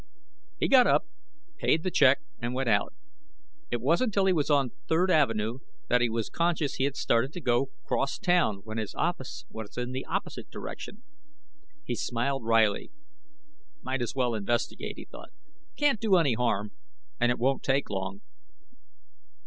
He got up, paid the check and went out. It wasn't till he was on Third Ave. that he was conscious he had started to go crosstown when his office was in the opposite direction. He smiled wryly. Might as well investigate, he thought. Can't do any harm, and it won't take long.